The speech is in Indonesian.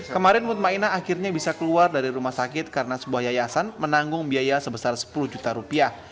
kemarin mutmainah akhirnya bisa keluar dari rumah sakit karena sebuah yayasan menanggung biaya sebesar sepuluh juta rupiah